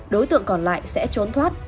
đối tượng còn lại sẽ trốn thoát